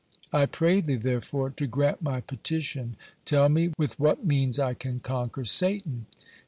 I pray thee, therefore, to grant my petition, tell me with what means I can conquer Satan."